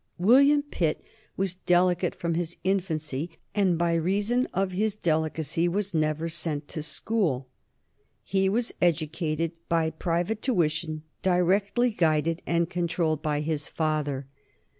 William Pitt was delicate from his infancy, and by reason of his delicacy was never sent to school. He was educated by private tuition, directly guided and controlled by his father.